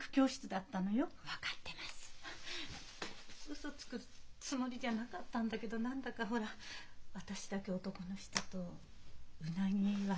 ウソつくつもりじゃなかったんだけど何だかほら私だけ男の人とうなぎ悪くて。